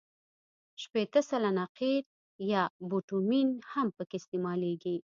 شپېته سلنه قیر یا بټومین هم پکې استعمالیږي